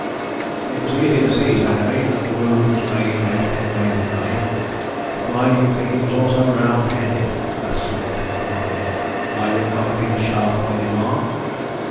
"It is easy to see, Sir Henry, that the wound was made by a thin bladed knife, but why do you think it was also round headed?" asked Superintendent Galloway. "Might it not have been a sharp pointed one?"